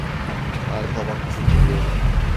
Harika vakit geçiriyorum.